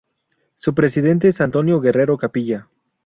Su presidente es Antonio Guerrero Capilla.